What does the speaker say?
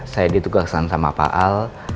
saya ditugaskan sama pak al